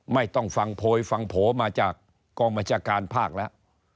ไม่ต้องฟังโผยฟังโผมาจากกองมจการภาคแล้ว